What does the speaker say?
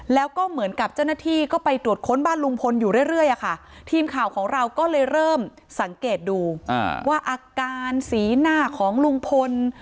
แล้วก็เหมือนกับเจ้าหน้าที่ก็ไปตรวจค้นบ้านลุงพลอยู่เรื่อยอะค่ะทีมข่าวของเราก็เลยเริ่มสังเกตดูว่าอาการสีหน้าของลุงพล